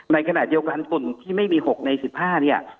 ในขณะเดียวกันกลุ่มที่ไม่มี๖ใน๑๕เนี่ย